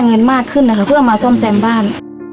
เงินมากขึ้นนะคะเพื่อมาซ่อมแซมบ้าน